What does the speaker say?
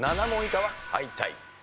７問以下は敗退。